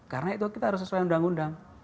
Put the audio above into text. karena itu kita harus sesuai undang undang